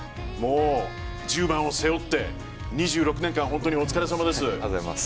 １０番を背負って２６年間、本当にお疲れさまです。